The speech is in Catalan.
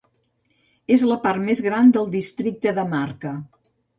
És la part més gran del districte de Marka.